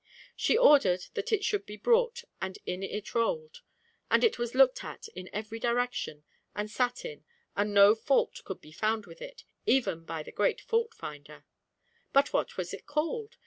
She ordered that it should be brought, and in it rolled, and it was looked at in every direction and sat in, and no fault could be found with it, even by the great faultfinder; but what was it called?